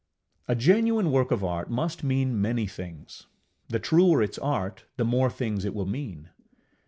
A genuine work of art must mean many things; the truer its art, the more things it will mean.